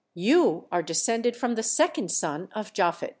You are descended from the second son of Japhet."